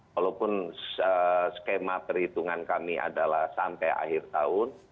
walaupun skema perhitungan kami adalah sampai akhir tahun